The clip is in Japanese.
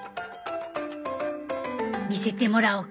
見せてもらおうか。